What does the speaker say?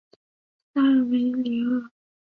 塞尔梅里厄。